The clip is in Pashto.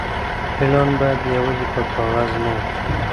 پلان بايد يوازي په کاغذ نه وي.